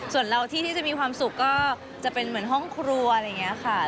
ส่วนเราที่จะมีความสุขก็จะเป็นเหมือนห้องครัวอะไรอย่างนี้ค่ะ